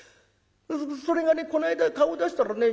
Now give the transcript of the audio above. それがねこの間顔出したらね